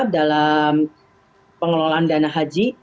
dalam pengelolaan dana haji